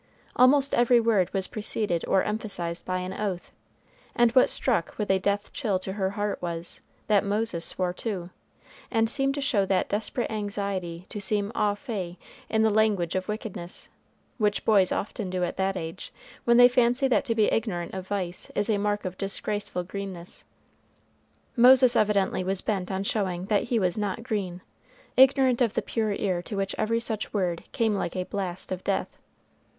Almost every word was preceded or emphasized by an oath; and what struck with a death chill to her heart was, that Moses swore too, and seemed to show that desperate anxiety to seem au fait in the language of wickedness, which boys often do at that age, when they fancy that to be ignorant of vice is a mark of disgraceful greenness. Moses evidently was bent on showing that he was not green, ignorant of the pure ear to which every such word came like the blast of death.